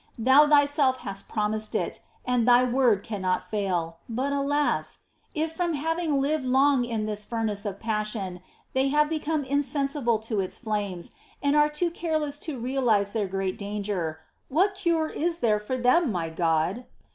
Thou Thyself hast promised it, and Thy word cannot fail — but alas ! if from having lived long in this furnace of passion, they have become in sensible to its flames, and are too careless to realise their great danger, what cure is there for them, my God